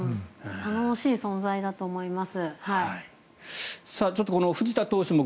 頼もしい存在だと思います。